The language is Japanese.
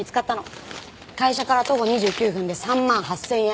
会社から徒歩２９分で３万８０００円。